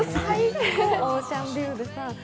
オーシャンビューでさ。